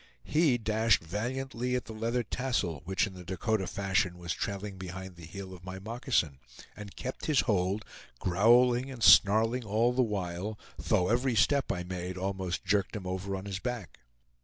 He dashed valiantly at the leather tassel which in the Dakota fashion was trailing behind the heel of my moccasin, and kept his hold, growling and snarling all the while, though every step I made almost jerked him over on his back.